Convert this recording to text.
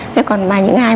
thế còn mà những ai